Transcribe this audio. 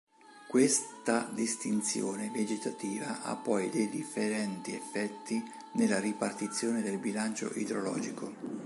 Questa distinzione vegetativa ha poi dei differenti effetti nella ripartizione del bilancio idrologico.